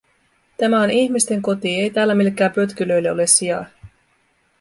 Tämä on ihmisten koti, ei täällä millekään pötkylöille ole sijaa.